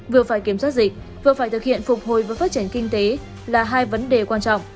vừa phải kiểm soát dịch vừa phải thực hiện phục hồi và phát triển kinh tế là hai vấn đề quan trọng